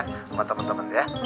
sama temen temen ya